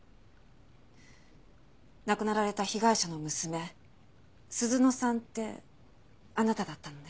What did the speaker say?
亡くなられた被害者の娘鈴乃さんってあなただったのね？